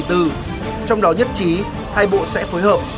trong đó nhất trí hai bộ sẽ phối hợp